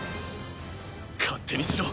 勝手にしろ。